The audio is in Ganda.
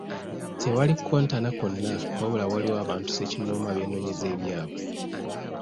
Ttewali kukontana kwonna wabula waliwo abantu ssekinnoomu abeenoonyeza ebyabwe.